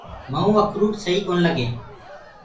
مؤُنٚ اکروٽ سئي ڪونآ لگينٚ۔